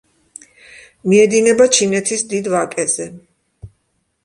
მიედინება ჩინეთის დიდ ვაკეზე.